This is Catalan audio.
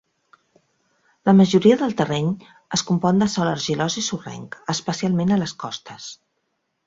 La majoria del terreny es compon de sòl argilós i sorrenc, especialment a les costes.